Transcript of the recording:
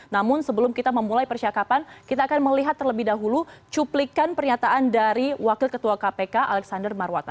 namun sebelum kita memulai percakapan kita akan melihat terlebih dahulu cuplikan pernyataan dari wakil ketua kpk alexander marwata